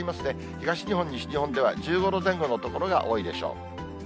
東日本、西日本では１５度前後の所が多いでしょう。